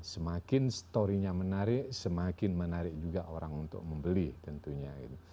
semakin storynya menarik semakin menarik juga orang untuk membeli tentunya